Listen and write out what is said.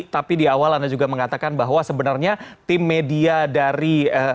tapi di awal anda juga mengatakan bahwa sebenarnya tim media dari